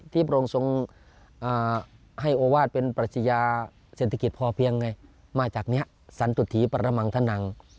พระองค์ทรงให้โอวาสเป็นปรัชญาเศรษฐกิจพอเพียงไงมาจากนี้สันตุธีปรมังธนัง